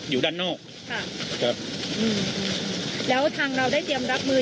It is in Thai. อยู่ด้านนอกค่ะครับอืมแล้วทางเราได้เตรียมรับมือ